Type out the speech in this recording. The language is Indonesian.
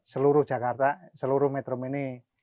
seluruh jakarta seluruh metro mini